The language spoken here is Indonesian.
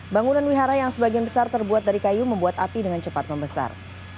bangunan wihara yang sebagian besar terbuat dari kayu membuat api dengan cepat membesar